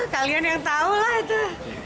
kalian yang tahu lah itu